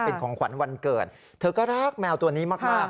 เป็นของขวัญวันเกิดเธอก็รักแมวตัวนี้มาก